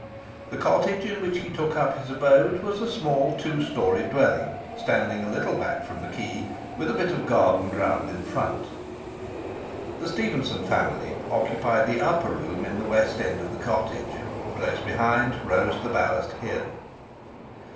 The cottage in which he took up his abode was a small two storied dwelling, standing a little back from the quay with a bit of garden ground in front. The Stephenson family occupied the upper room in the west end of the cottage. Close behind rose the Ballast Hill.